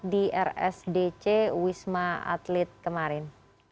di rsdc wisma atlet kemarin